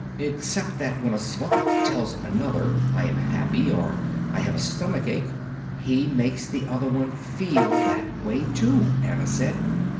"Except that when a Svant tells another, 'I am happy,' or 'I have a stomach ache,' he makes the other one feel that way too," Anna said.